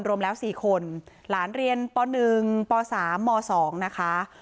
รวมแล้วสี่คนหลานเรียนป่าวหนึ่งป่าวสามมสองนะคะ